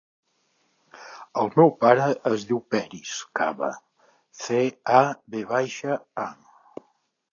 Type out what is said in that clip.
El meu pare es diu Peris Cava: ce, a, ve baixa, a.